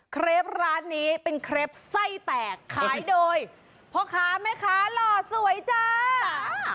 เครปร้านนี้เป็นเครปไส้แตกขายโดยพ่อค้าแม่ค้าหล่อสวยจ้า